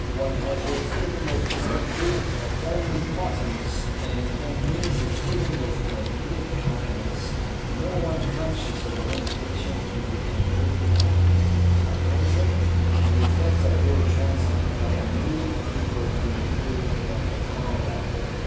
One has a feeling of complete omnipotence, and that means a feeling of complete happiness. No one conscious of a limitation can be completely happy. At present the effects are very transient, but I may be able to improve upon that.'